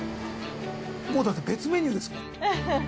もうだって別メニューですから。